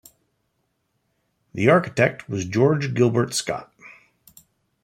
The architect was George Gilbert Scott.